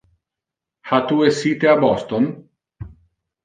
Ha tu essite a Boston?